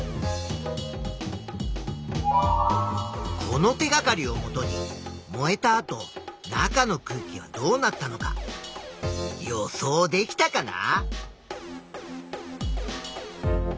この手がかりをもとに燃えた後中の空気はどうなったのか予想できたかな？